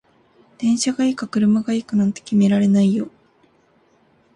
電車がいいか車がいいかなんて決められないよ